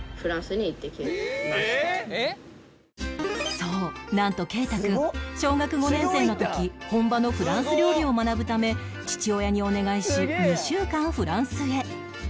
そうなんと圭太くん小学５年生の時本場のフランス料理を学ぶため父親にお願いし２週間フランスへ